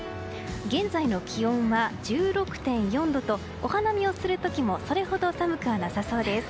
現在の気温は１６．４度とお花見をする時もそれほど寒くはなさそうです。